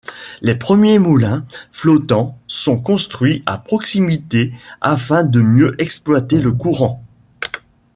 Les premiers moulins flottants sont construits à proximité afin de mieux exploiter le courant.